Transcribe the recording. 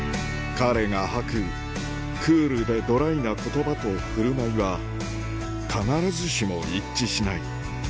彼が吐くクールでドライな言葉と振る舞いは必ずしも一致しない